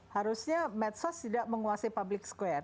harusnya medsos tidak menguasai public square